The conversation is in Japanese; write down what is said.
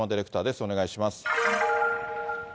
お願いします。